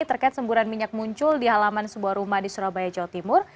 terkait semburan minyak muncul di halaman sebuah rumah di surabaya jawa timur